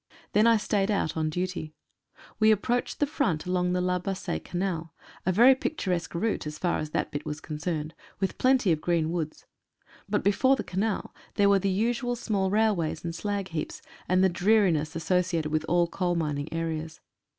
Then I stayed out on duty. We ap proached the front along the La Bassee Canal — a very picturesque route as far as that bit was concerned, with plenty of green woods. But before the Canal there were the usual small railways and slagheaps, and the dreari ness associated with all coalmining areas.